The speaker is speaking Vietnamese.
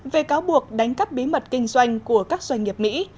về cáo buộc đánh cắp bí mật kinh doanh của các doanh nghiệp mỹ